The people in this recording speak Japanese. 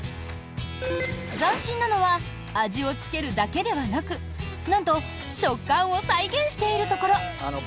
斬新なのは味をつけるだけではなくなんと食感を再現しているところ。